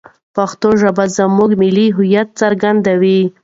پښتو ژبه زموږ ملي هویت څرګندوي.